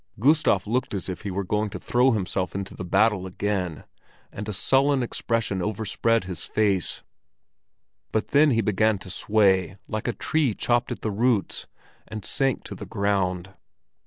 Gustav looked as if he were going to throw himself into the battle again, and a sullen expression overspread his face; but then he began to sway like a tree chopped at the roots, and sank to the ground.